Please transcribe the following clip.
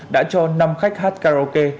đã cho năm khách hát karaoke